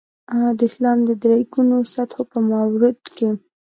د اسلام د درې ګونو سطحو په مورد کې.